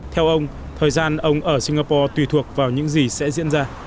theo ông thời gian ông ở singapore tùy thuộc vào những gì sẽ diễn ra